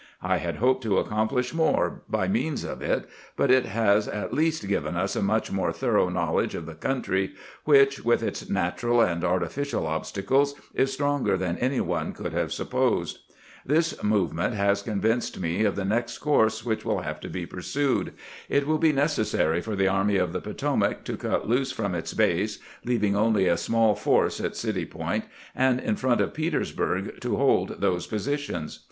I had hoped to accomplish more by means of it, but it has at least given us a much more thorough knowledge of the country, which, with its natural and artificial obstacles, is stronger than any one could have supposed. This movement has convinced me of the next course which wiU have to be pursued. It will be necessary for the Army of the Potomac to cut loose from its base, leaving only a small force at City Point and in front of Petersburg to hold those positions.